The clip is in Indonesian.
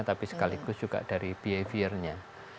tapi sekaligus juga dari behaviornya